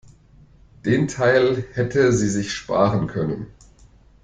Den Teil hätte sie sich sparen können.